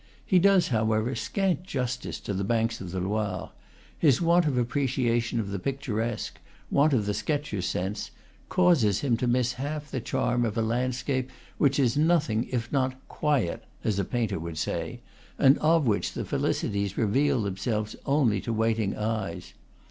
He does, however, scant justice to the banks of the Loire; his want of appreciation of the picturesque want of the sketcher's sense causes him to miss half the charm of a landscape which is nothing if not "quiet," as a painter would say, and of which the felicities reveal themselves only to waiting eyes.